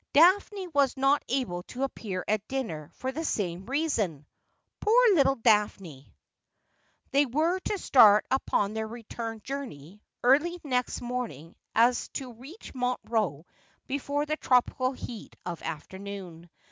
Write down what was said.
Daphne was not able to appear at dinner for the same reason.' ' Poor little Daphne !' They were to start upon their return journey early next morning, so as to reach Montreux before the tropical heat of afternoon.